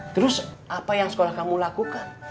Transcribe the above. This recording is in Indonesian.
terus apa yang sekolah kamu lakukan